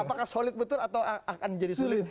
apakah solid betul atau akan jadi sulit